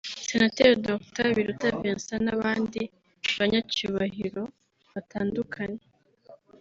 Senateri Dr Biruta Vincent n’abandi banyacyubahiro batandukanye